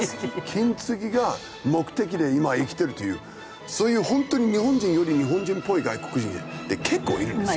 金継ぎが目的で今生きてるというそういう本当に日本人より日本人っぽい外国人結構いるんですよ。